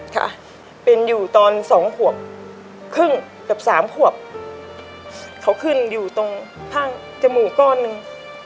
ค่ะเป็นอยู่ตอนสองขวบครึ่งกับสามขวบเขาขึ้นอยู่ตรงข้างจมูกก้อนหนึ่ง